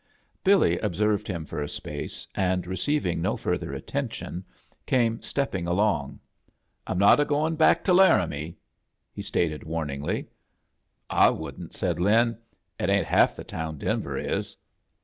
Billy observed him for a space, and, re ceiving no further attention, came step ping along. "Fm not a going back to Laramie," he stated, wamingly. "I wouldn't," said Lin. "It ain't half the town Denver is.